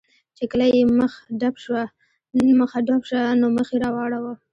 چې کله یې مخه ډب شوه، نو مخ یې را واړاوه.